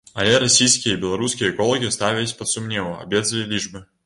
Але расійскія і беларускія эколагі ставяць пад сумнеў абедзве лічбы.